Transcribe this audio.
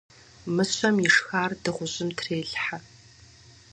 Мыщэм ишхар дыгъужьым трелхьэ.